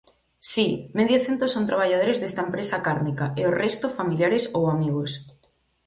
Si, medio cento son traballadores desta empresa cárnica e o resto familiares ou amigos.